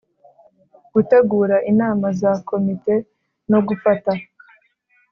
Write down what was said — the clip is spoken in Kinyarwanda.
Gutegura inama za Komite no gufata